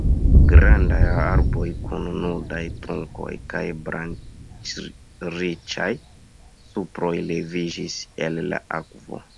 Grandaj arboj kun nudaj trunkoj kaj branĉriĉaj suproj leviĝis el la akvo.